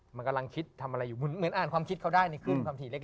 มันกำลังคิดทำอะไรอยู่เหมือนอ่านความคิดเขาได้ในคืนความถี่เล็ก